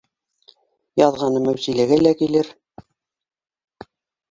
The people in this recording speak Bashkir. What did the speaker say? Яҙғаны Мәүсиләгә лә килер